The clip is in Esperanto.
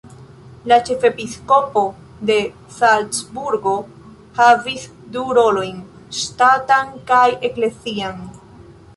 La ĉefepiskopo de Salcburgo havis du rolojn: ŝtatan kaj eklezian.